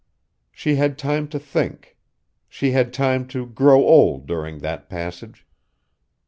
She had time to think. She had time to grow old during that passage.